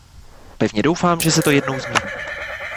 Pevně doufám, že se to jednou změní.